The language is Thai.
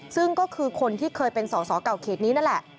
ซึ่งก็คือคนที่เคยเป็นสอสอเก่าเขตนี้นั่นแหละ